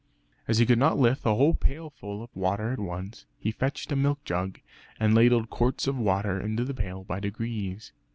As he could not lift the whole pailful of water at once, he fetched a milk jug, and ladled quarts of water into the pail by degrees.